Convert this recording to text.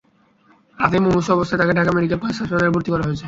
রাতেই মুমূর্ষু অবস্থায় তাঁকে ঢাকা মেডিকেল কলেজ হাসপাতালে ভর্তি করা হয়েছে।